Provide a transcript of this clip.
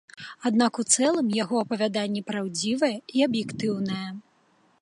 Аднак у цэлым яго апавяданне праўдзівае і аб'ектыўнае.